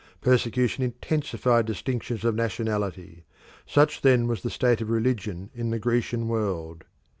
Persecution intensified distinctions of nationality. Such then was the state of religion in the Grecian world.